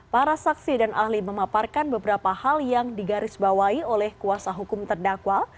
para saksi dan ahli memaparkan beberapa hal yang digarisbawahi oleh kuasa hukum terdakwa